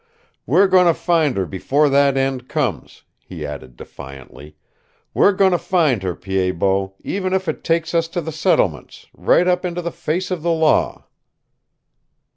"We're going to find her before that end comes," he added defiantly. "We're going to find her, Pied Bot, even if it takes us to the settlements right up into the face of the law."